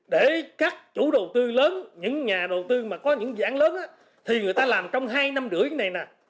để các chủ đầu tư lớn những nhà đầu tư mà có những dự án lớn thì người ta làm trong hai năm rưỡi này nè